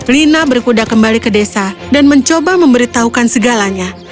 lina berkuda kembali ke desa dan mencoba memberitahukan segalanya